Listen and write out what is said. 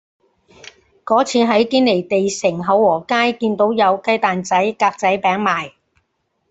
嗰次喺堅尼地城厚和街見到有雞蛋仔格仔餅賣